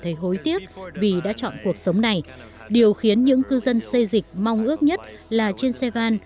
thấy hối tiếc vì đã chọn cuộc sống này điều khiến những cư dân xây dịch mong ước nhất là trên xe van